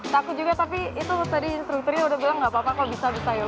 takut juga tapi itu tadi instrukturnya udah bilang gak apa apa kok bisa bisa yuk